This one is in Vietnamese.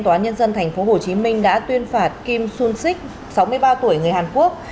tòa nhân dân tp hcm đã tuyên phạt kim sung sik sáu mươi ba tuổi người hàn quốc